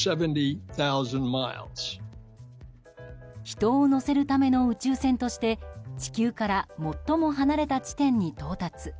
人を乗せるための宇宙船として地球から最も離れた地点に到達。